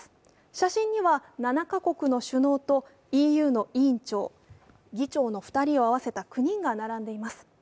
写真には７か国の首脳とＥＵの委員長、議長の２人を合わせた９人が並んでいます。